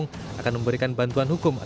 dpp akan memberikan bantuan hukum pak